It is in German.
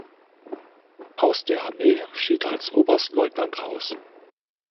Aus der Armee schied als Oberstleutnant aus.